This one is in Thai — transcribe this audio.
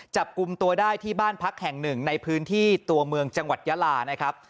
จับกลุ่มตัวได้ที่บ้านพักแห่งหนึ่งในพื้นที่ตัวเมืองจังหวัดยาลานะครับ